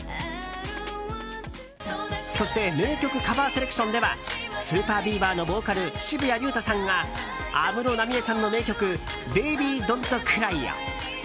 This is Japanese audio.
そして名曲カバーセレクションではＳＵＰＥＲＢＥＡＶＥＲのボーカル、渋谷龍太さんが安室奈美恵さんの名曲「ＢａｂｙＤｏｎ’ｔＣｒｙ」を。